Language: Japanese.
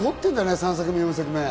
３作目、４作目。